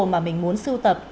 mà mình muốn sưu tập